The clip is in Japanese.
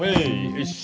よし！